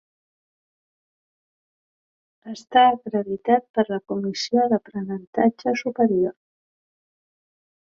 Està acreditat per la Comissió d'Aprenentatge Superior.